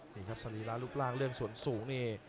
นี่ครับสรีระรูปร่างเรื่องส่วนสูงนี่